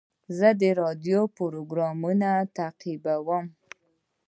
زه د راډیو پروګرام تعقیبوم.